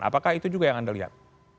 apakah itu juga yang anda lihat